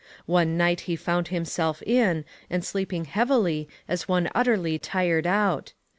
One night he found him in, and sleeping heavily as one utterly tired out.